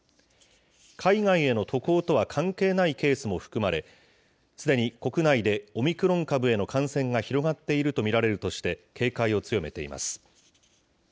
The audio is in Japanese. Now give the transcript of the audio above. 海外への渡航とは関係ないケースも含まれ、すでに国内でオミクロン株への感染が広がっていると見られるとして、警戒を強めています。